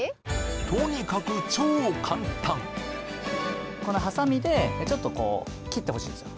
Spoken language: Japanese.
とにかく超簡単このハサミでちょっとこう切ってほしいんですよ